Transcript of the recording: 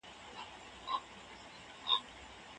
د مور حافظه په پی پي پي کې لنډمهاله کمزورې کېږي.